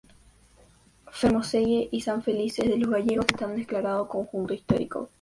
Fermoselle y San Felices de los Gallegos están declaradas conjunto histórico.